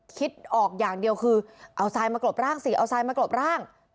คิดออกอย่างเดียวคือเอาทรายมากรบร่างสิเอาทรายมากรบร่าง